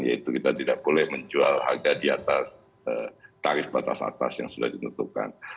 yaitu kita tidak boleh menjual harga di atas tarif batas atas yang sudah ditentukan